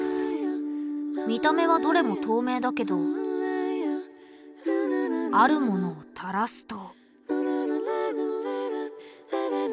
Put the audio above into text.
見た目はどれもとうめいだけどあるものをたらすと。